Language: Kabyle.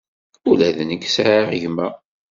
Ula d nekk sɛiɣ gma.